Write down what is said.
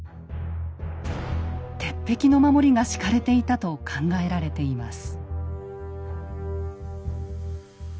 鉄壁の守りが敷かれていたと考えられています。